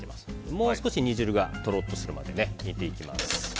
もう少し、煮汁がとろっとするまで煮ていきます。